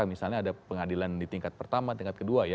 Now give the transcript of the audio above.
misalnya ada pengadilan di tingkat pertama tingkat kedua ya